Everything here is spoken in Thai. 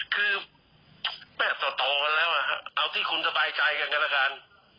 คือแม่โตกันแล้วเอาที่คุณสบายใจกันกันแล้วกัน